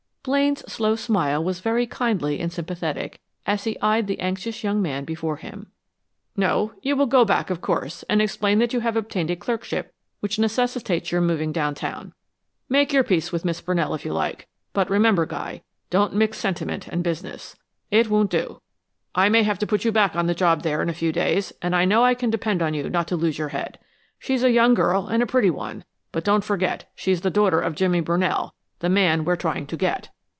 Blaine's slow smile was very kindly and sympathetic as he eyed the anxious young man before him. "No. You will go back, of course, and explain that you have obtained a clerkship which necessitates your moving downtown. Make your peace with Miss Brunell if you like, but remember, Guy, don't mix sentiment and business. It won't do. I may have to put you back on the job there in a few days, and I know I can depend on you not to lose your head. She's a young girl and a pretty one; but don't forget she's the daughter of Jimmy Brunell, the man we're trying to get!